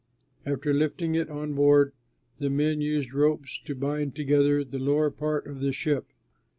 After lifting it on board, the men used ropes to bind together the lower part of the ship.